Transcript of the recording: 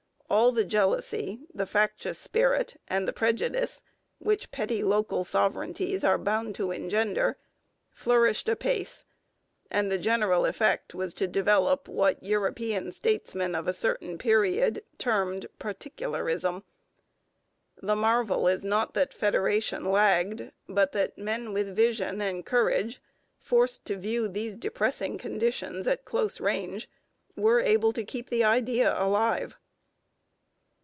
All the jealousy, the factious spirit, and the prejudice, which petty local sovereignties are bound to engender, flourished apace; and the general effect was to develop what European statesmen of a certain period termed Particularism. The marvel is not that federation lagged, but that men with vision and courage, forced to view these depressing conditions at close range, were able to keep the idea alive.